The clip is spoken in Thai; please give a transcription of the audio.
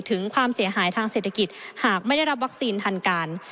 ถึงความเสียหายทางเศรษฐกิจหากไม่ได้รับวัคซีนทันการ